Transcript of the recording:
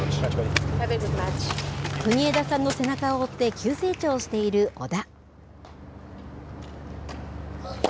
国枝さんの背中を追って急成長している小田。